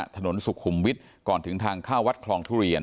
ถนนสุขุมวิทย์ก่อนถึงทางเข้าวัดคลองทุเรียน